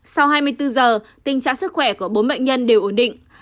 sau hai mươi bốn giờ tình trạng sức khỏe của bốn bệnh nhân đều ổn định